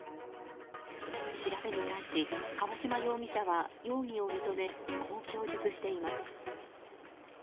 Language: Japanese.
調べに対し、川嶋容疑者は容疑を認めこう供述しています。